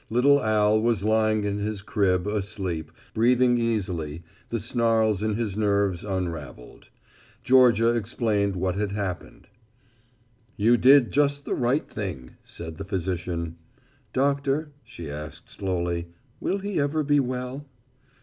Little Al was lying in his crib, asleep, breathing easily, the snarls in his nerves unravelled. Georgia explained what had happened. "You did just the right thing," said the physician. "Doctor," she asked slowly, "will he ever be well?"